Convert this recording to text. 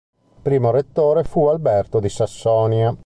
Primo rettore fu Alberto di Sassonia.